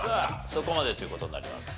そこまでという事になります。